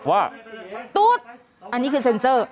ว่าตู้ดอันนี้คือเซ็นเซอร์อ้าวอะอ๋อ